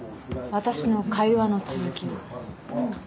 私の会話の続きを。